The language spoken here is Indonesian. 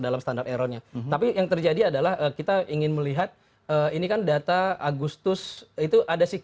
dalam standar errornya tapi yang terjadi adalah kita ingin melihat ini kan data agustus itu ada